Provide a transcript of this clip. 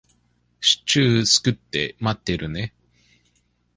シチュー作って待ってるね。